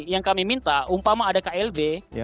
yang kami minta umpama ada klb